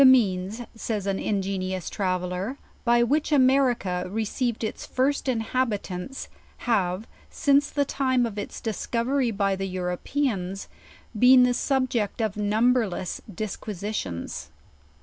"The means," says an ingenious traveller, "by which A merica received its first Inhabitants, have, since the time of its discovery by the Europeans, been the subject of number less disquisitions.